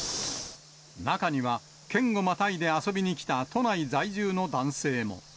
中には、県をまたいで遊びに来た都内在住の男性も。